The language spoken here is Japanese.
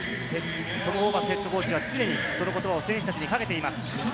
トム・ホーバスＨＣは常にその言葉を選手たちにかけています。